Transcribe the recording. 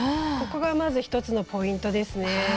ここがまず１つのポイントですね。